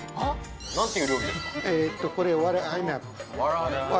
何ていう料理ですか？